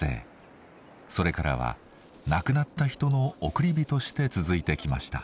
それからは亡くなった人の送り火として続いてきました。